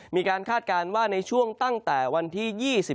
คาดการณ์ว่าในช่วงตั้งแต่วันที่๒๔